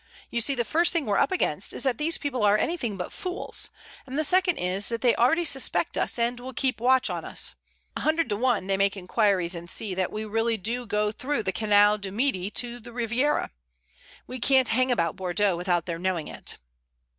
You see, the first thing we're up against is that these people are anything but fools, and the second is that they already suspect us and will keep a watch on us. A hundred to one they make inquiries and see that we really do go through the Canal du Midi to the Riviera. We can't hang about Bordeaux without their knowing it."